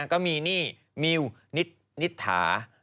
ก็มีนี่มิวนิษฐา